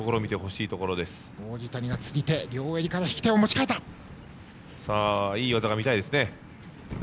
いい技が見たいですね。